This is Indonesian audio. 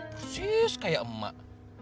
persis kayak emak